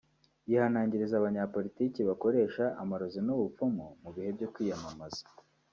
yihanangiriza abanyapolitiki bakoresha amarozi n’ubupfumu mu bihe byo kwiyamamaza